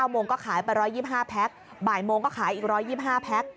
โมงก็ขายไป๑๒๕แพ็คบ่ายโมงก็ขายอีก๑๒๕แพ็ค